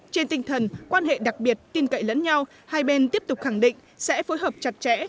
trên tinh thần quan hệ đặc biệt tin cậy lẫn nhau hai bên tiếp tục khẳng định sẽ phối hợp chặt chẽ